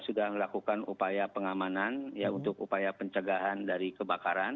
sudah melakukan upaya pengamanan untuk upaya pencegahan dari kebakaran